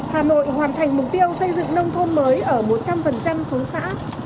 hà nội hoàn thành mục tiêu xây dựng nông thôn mới ở một trăm linh xuống xã